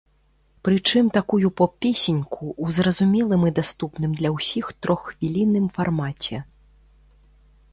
Прычым такую поп-песеньку, у зразумелым і даступным для ўсіх троххвілінным фармаце.